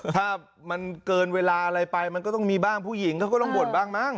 ถ้ามันเกินเวลาอะไรไปมันก็ต้องมีบ้างผู้หญิงเขาก็ต้องบ่นบ้างมั้ง